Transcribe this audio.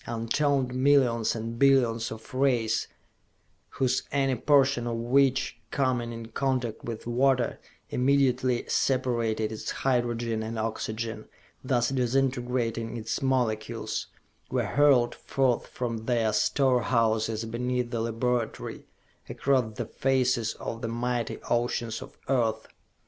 Untold millions and billions of rays, whose any portion of which, coming in contact with water, immediately separated its hydrogen and oxygen, thus disintegrating its molecules, were hurled forth from their store houses beneath the laboratory, across the faces of the mighty oceans of Earth....